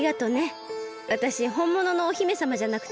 わたしほんもののお姫さまじゃなくてよかったよ。